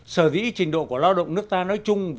sở dĩ trình độ của lao động nước ta nói chung